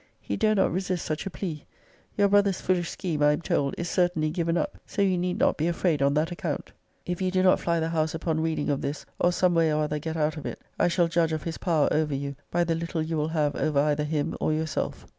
He dare not >>> resist such a plea. Your brother's foolish scheme, I am told, is certainly given up; so you need not be afraid on that account. If you do not fly the house upon reading of this, or some way or other get out of it, I shall judge of his power over you, by the little you will have over either him or yourself.